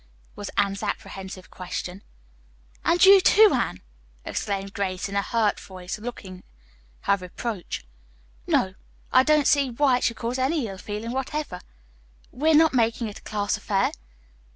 was Anne's apprehensive question. "And you, too, Anne!" exclaimed Grace in a hurt voice, looking her reproach. "No, I don't see why it should cause any ill feeling whatever. We are not making it a class affair.